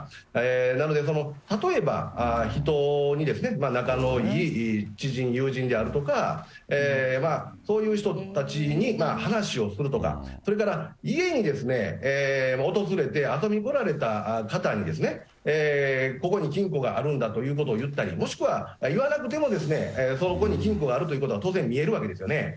なので、例えば、人に、仲のいい知人、友人であるとか、そういう人たちに話をするとか、それから家に訪れて、遊びに来られた方にここに金庫があるんだということを言ったり、もしくは、言わなくても、そこに金庫があるということは当然見えるわけですよね。